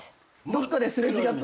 どっかですれ違ったとき。